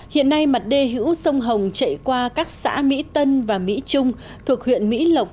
hiện nay mặt đê hữu sông hồng chạy qua các xã mỹ tân và mỹ trung thuộc huyện mỹ lộc